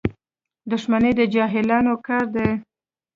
• دښمني د جاهلانو کار دی.